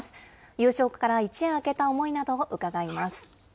優勝から一夜明けた思いなどを伺います。